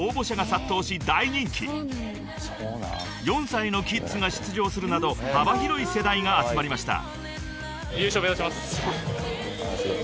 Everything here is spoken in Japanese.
［４歳のキッズが出場するなど幅広い世代が集まりました］